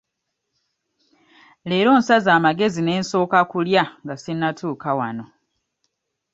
Leero nsaze amagezi ne nsooka kulya nga sinnatuuka wano.